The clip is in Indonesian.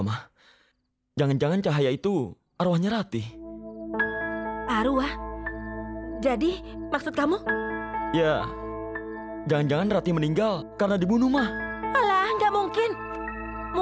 sayang jangan pernah tinggalin aku